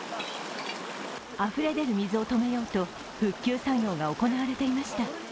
あふれ出る水を止めようと復旧作業が行われていました。